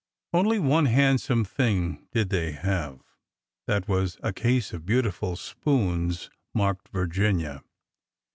Only one handsome thing did they have. That was a case of beautiful spoons marked Virginia.